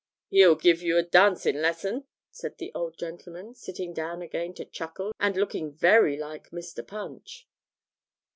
He'll give you a dancing lesson!' said the old gentleman, sitting down again to chuckle, and looking very like Mr. Punch.